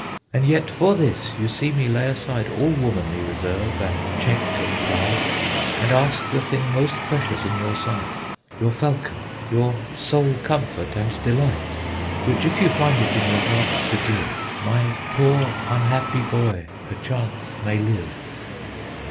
And yet for this, you see me lay aside All womanly reserve and check of pride, And ask the thing most precious in your sight, Your falcon, your sole comfort and delight, Which if you find it in your heart to give, My poor, unhappy boy perchance may live."